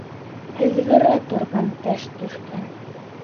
— Һыҙғыра торған теш төшкән.